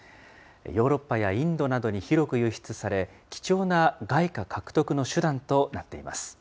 ヨーロッパやインドなどに広く輸出され、貴重な外貨獲得の手段となっています。